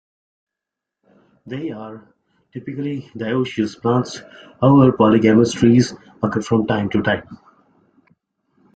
They are typically dioecious plants however polygamous trees occur from time to time.